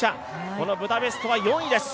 このブダペストは４位です。